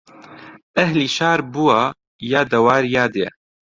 ئەهلی شار بووە یا دەوار یا دێ